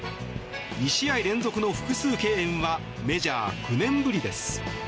２試合連続の複数敬遠はメジャー９年ぶりです。